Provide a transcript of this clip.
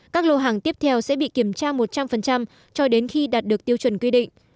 các lô hàng tiếp theo sẽ bị kiểm tra một trăm linh cho đến khi đạt được tiêu chuẩn quy định